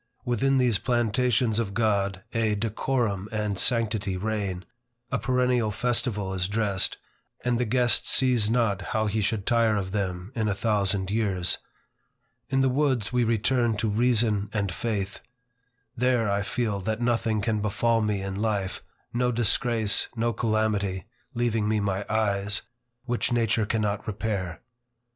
Within these plantations of God, a decorum and sanctity reign, a perennial festival is dressed, and the guest sees not how he should tire of them in a thousand years. In the woods, we return to reason and faith. There I feel that nothing can befall me in life, no disgrace, no calamity, (leaving me my eyes,) which nature cannot repair.